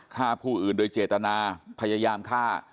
ฆ่าผู้อื่นโดยเจตนาพยายามฆ่า